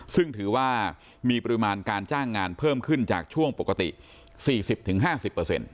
ซึ่งถือว่ามีปริมาณการจ้างงานเพิ่มขึ้นจากช่วงปกติ๔๐๕๐